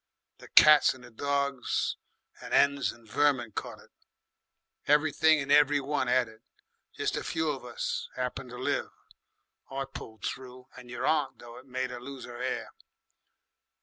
The cats and dogs and 'ens and vermin caught it. Everything and every one 'ad it. Jest a few of us 'appened to live. I pulled through, and your aunt, though it made 'er lose 'er 'air.